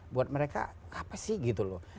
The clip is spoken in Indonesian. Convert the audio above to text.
buat mereka apa sih gitu loh